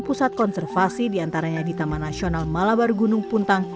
pusat konservasi diantaranya di taman nasional malabar gunung puntang